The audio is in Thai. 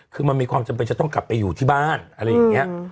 คือมันมีความจำเป็นจะต้องกลับไปอยู่ที่บ้านอะไรอย่างนี้